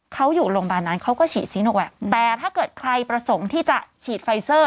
เขาอยู่โรงพยาบาลนั้นเขาก็ฉีดซีโนแวคแต่ถ้าเกิดใครประสงค์ที่จะฉีดไฟเซอร์